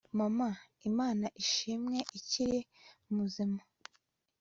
mama, imana ishimwe, ikiri mu bazima